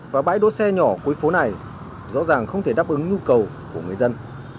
và bãi đỗ xe nhỏ cuối phố này rõ ràng không thể đáp ứng nhu cầu của người dân